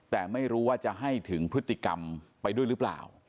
แต่ไม่รู้ว่าจะให้ถึงพฤติกรรมไปด้วยหรือเปล่า